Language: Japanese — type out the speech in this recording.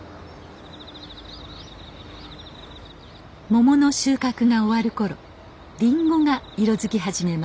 モモの収穫が終わる頃リンゴが色づき始めます。